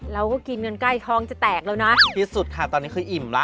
เราก็กินเงินใกล้ทองจะแตกแล้วนะที่สุดค่ะตอนนี้คืออิ่มแล้ว